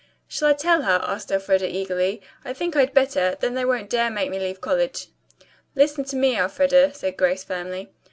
"Shall I tell her?" asked Elfreda eagerly. "I think I'd better; then they won't dare to make me leave college." "Listen to me, Elfreda," said Grace firmly.